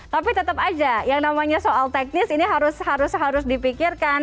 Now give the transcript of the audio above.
tapi tetap aja yang namanya soal teknis ini harus dipikirkan